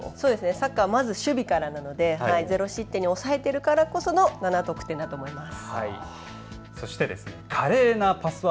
サッカーはまず守備からなのでゼロ失点に抑えているからこその７得点だと思います。